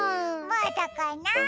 まだかな？